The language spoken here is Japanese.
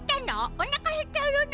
おなかへってるの？